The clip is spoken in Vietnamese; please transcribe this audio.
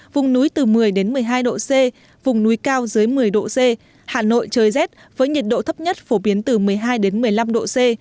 vùng núi từ một mươi một mươi hai độ c vùng núi cao dưới một mươi độ c hà nội trời rét với nhiệt độ thấp nhất phổ biến từ một mươi hai một mươi năm độ c